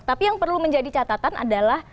tapi yang perlu menjadi catatan adalah